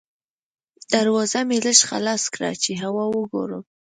دروازه مې لږه خلاصه کړه چې هوا وګورم.